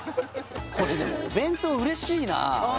これでもお弁当嬉しいなあ